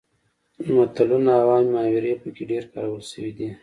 متلونه او عامې محاورې پکې ډیر کارول شوي دي